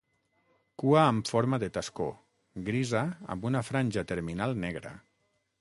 Cua amb forma de tascó, grisa amb una franja terminal negra.